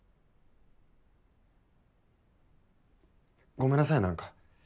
ごめんなさいなんか。